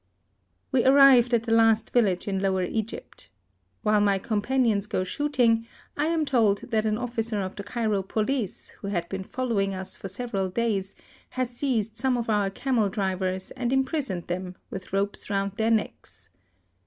We arrived at the last village in Lower Egypt. While my . companions go shoot ing, I am told that an officer of the Cairo police, who had been following us for sev eral days, has seized some of our camel drivers, and imprisoned them, with ropes round their necks.